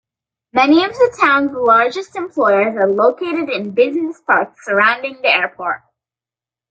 Many of the town's largest employers are located in business parks surrounding the airport.